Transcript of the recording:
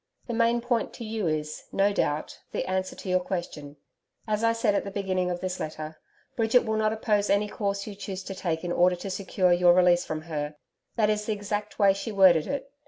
The main point to you is, no doubt, the answer to your question. As I said at the beginning of this letter, Bridget will not oppose any course you choose to take in order to secure your release from her that is the exact way she worded it.